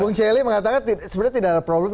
bung celi mengatakan sebenarnya tidak ada problem